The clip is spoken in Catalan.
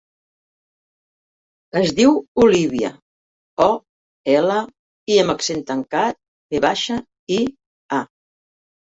Es diu Olívia: o, ela, i amb accent tancat, ve baixa, i, a.